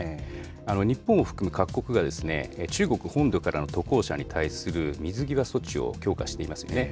日本を含む各国が、中国本土からの渡航者に対する水際措置を強化していますね。